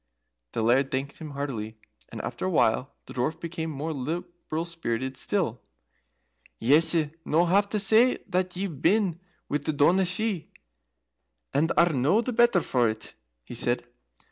The Laird thanked him heartily, and after a while the Dwarf became more liberal spirited still. "Yese no have to say that ye've been with the Daoiné Shi and are no the better for it," he said.